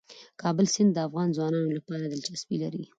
د کابل سیند د افغان ځوانانو لپاره دلچسپي لري.